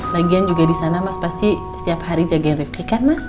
lagian juga disana mas pasti setiap hari jagain rifqi kan mas